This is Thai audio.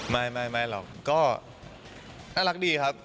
ไม่หรอกก็น่ารักดีครับ